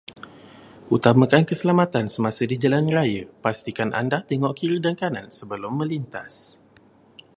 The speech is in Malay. Utamakan keselamatan semasa di jalan raya, pastikan anda tengok kiri dan kanan sebelum menlintas.